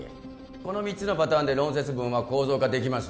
この３つのパターンで論説文は構造化できます